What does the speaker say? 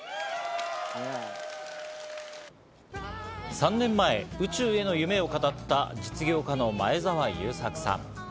３年前、宇宙への夢を語った実業家の前澤友作さん。